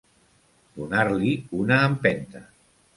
Donar-li una empenta.